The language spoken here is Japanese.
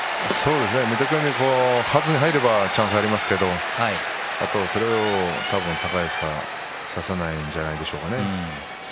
はずに入ればチャンスはありますけどそれを多分、高安がさせないんじゃないでしょうかね。